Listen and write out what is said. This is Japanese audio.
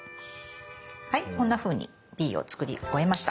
はいこんなふうに「Ｂ」を作り終えました。